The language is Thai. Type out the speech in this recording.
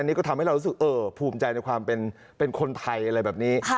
นี่ก็ทำให้เรารู้สึกภูมิใจในความเป็นคนไทยอะไรแบบนี้